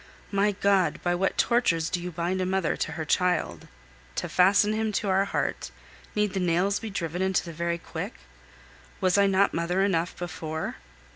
My God! by what tortures do you bind a mother to her child! To fasten him to our heart, need the nails be driven into the very quick? Was I not mother enough before?